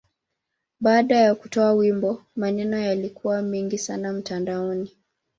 Baada ya kutoa wimbo, maneno yalikuwa mengi sana mtandaoni.